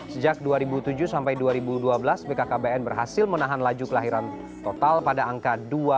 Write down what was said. sejak dua ribu tujuh sampai dua ribu dua belas bkkbn berhasil menahan laju kelahiran total pada angka dua